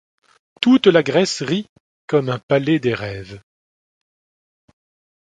Toute la Grèce rit comme un palais des rêves.